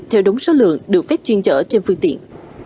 theo đúng số lượng được phép chuyên chở trên phương tiện